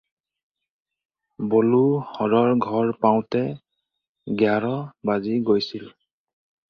বলো হৰৰ ঘৰ পাওঁতে এঘাৰ বাজি গৈছিল।